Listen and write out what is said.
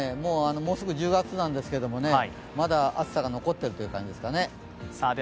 もうすぐ１０月なんですけどもねまだ暑さが残ってるという感じですかね。